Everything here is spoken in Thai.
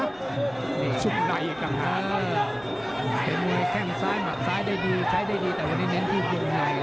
แข้งในกับข้างหน้าใช้ได้ดีใช้ได้ดีแต่วันนี้เน้นที่กลุ่มใน